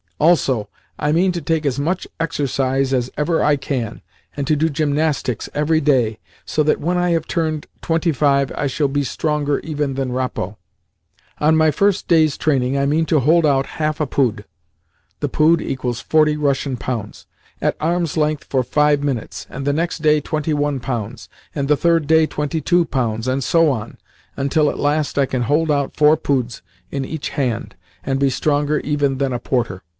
Also, I mean to take as much exercise as ever I can, and to do gymnastics every day, so that, when I have turned twenty five, I shall be stronger even than Rappo. On my first day's training I mean to hold out half a pood [The Pood = 40 Russian pounds.] at arm's length for five minutes, and the next day twenty one pounds, and the third day twenty two pounds, and so on, until at last I can hold out four poods in each hand, and be stronger even than a porter.